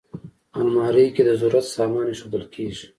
الماري کې د ضرورت سامان ایښودل کېږي